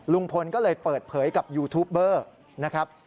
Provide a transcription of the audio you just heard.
ลุงพลก็เลยเปิดเผยกับยูทูปเบอร์นะครับ